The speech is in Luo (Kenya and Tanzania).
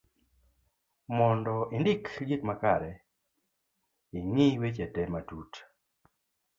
mondo indik gik makare,i ng'i weche te matut